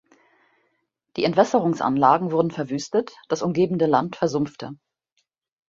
Die Entwässerungsanlagen wurden verwüstet, das umgebende Land versumpfte.